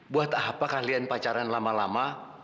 buat apa kalian pacaran lama lama